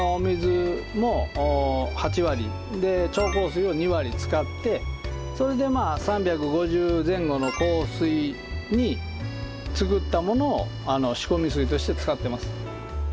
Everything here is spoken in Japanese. それを６７の使ってそれで３５０前後の硬水に作ったものを仕込み水として使ってます。